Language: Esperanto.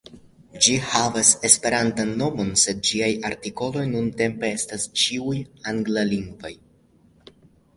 Ĝi havas Esperantan nomon, sed ĝiaj artikoloj nuntempe estas ĉiuj anglalingvaj.